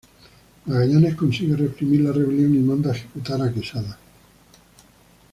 Magallanes consigue reprimir la rebelión y manda ejecutar a Quesada.